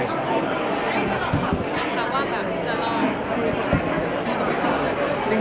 จะลองฝากมีอะไรว่าจะรอดที่นี่